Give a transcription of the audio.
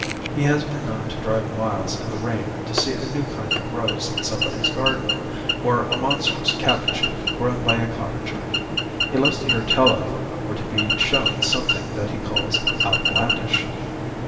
He has been known to drive miles in the rain to see a new kind of rose in somebody's garden, or a monstrous cabbage grown by a cottager. He loves to hear tell of or to be shown something that he calls 'outlandish.